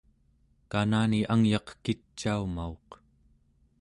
kanani angyaq kicaumauq